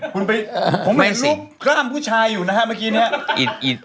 คุณไปผมเห็นลูกพร่ามผู้ชายอยู่นะฮะเมื่อกี้เนี้ย